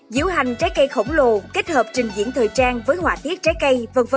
diễu hành trái cây khổng lồ kết hợp trình diễn thời trang với họa tiết trái cây v v